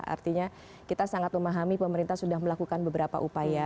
artinya kita sangat memahami pemerintah sudah melakukan beberapa upaya